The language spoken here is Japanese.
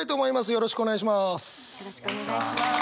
よろしくお願いします。